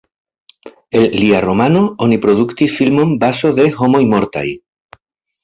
El lia romano oni produktis filmon Bazo de homoj mortaj.